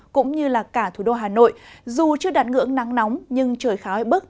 cũng như cả thủ đô hà nội dù chưa đặt ngưỡng nắng nóng nhưng trời khá hơi bức